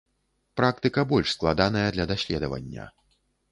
Практыка больш складаная для даследавання.